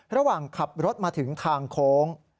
ระหว่างขับรถมาถึงทางโค้ง